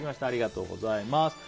ありがとうございます。